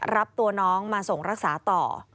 รับตัวน้องมาส่งรักษาต่อ